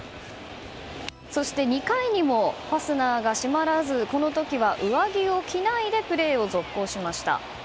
そして２回にもファスナーが閉まらずこの時は上着を着ないでプレーを続行しました。